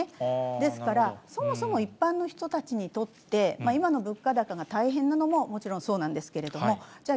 ですから、そもそも一般の人たちにとって、今の物価高が大変なのももちろんそうなんですけれども、じゃあ、